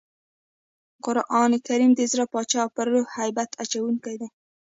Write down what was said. قرانکریم د زړه باچا او پر روح هیبت اچوونکی دئ.